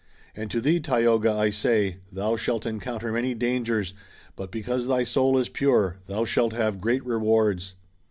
And to thee, Tayoga, I say, thou shalt encounter many dangers, but because thy soul is pure, thou shalt have great rewards!"